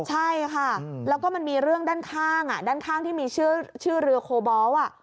ใช่ค่ะแล้วก็มันมีเรื่องด้านข้างด้านข้างที่มีชื่อเรือโคบอล